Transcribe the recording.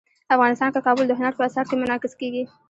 افغانستان کې کابل د هنر په اثار کې منعکس کېږي.